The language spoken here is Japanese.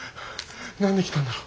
何で来たんだろう。